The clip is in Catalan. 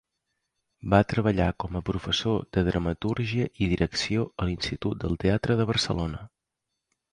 Va treballar com a professor de dramatúrgia i direcció a l'Institut del Teatre de Barcelona.